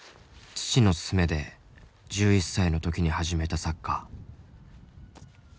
父の勧めで１１歳の時に始めたサッカー。